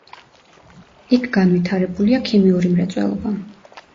იქ განვითარებულია ქიმიური მრეწველობა.